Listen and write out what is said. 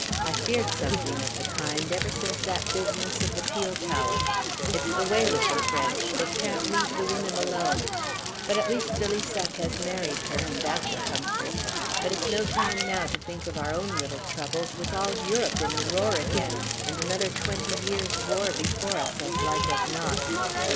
"I feared something of the kind ever since that business of the peel tower. It's the way with the French. They can't leave the women alone. But, at least, de Lissac has married her, and that's a comfort. But it's no time now to think of our own little troubles, with all Europe in a roar again, and another twenty years' war before us, as like as not."